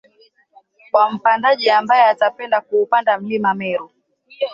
Kwa mpandaji ambae atapenda kuupanda mlima Meru